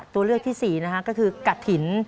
ตัวเลือกที่๔นะคะก็คือกระถิ่น